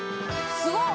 すごっ！